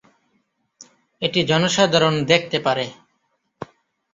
এটি জনসাধারণ দেখতে পারে।